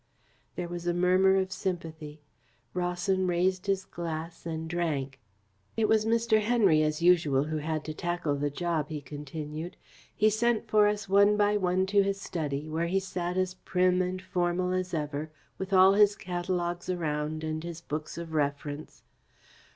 There was a murmur of sympathy. Rawson raised his glass and drank. "It was Mr. Henry, as usual, who had to tackle the job," he continued. "He sent for us one by one to his study, where he sat as prim and formal as ever, with all his catalogues around and his books of reference.